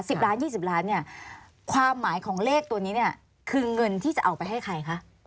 สิบล้านยี่สิบล้านเนี่ยความหมายของเลขตัวนี้เนี่ยคือเงินที่จะเอาไปให้ใครคะ